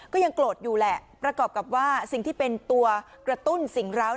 ก็ยังโกรธอยู่แหละประกอบกับว่าสิ่งที่เป็นตัวกระตุ้นสิ่งร้าว